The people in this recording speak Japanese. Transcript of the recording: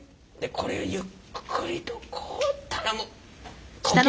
これゆっくりとこう頼む！